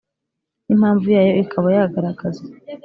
n’impamvu yayo ikaba yagaragazwa.